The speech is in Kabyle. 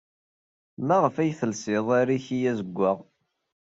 Maɣef ay telsid ariki azewwaɣ?